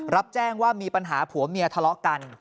รับแจ้งว่ามีปัญหาผัวเมียทะเลาะกัน